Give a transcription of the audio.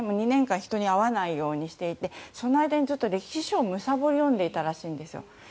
２年間人に会わないようにしていてその間に歴史書をむさぼり読んでいたようなんです